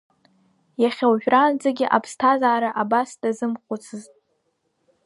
Иахьа уажәраанӡагьы аԥсҭазаара абас дазымхәыцызт.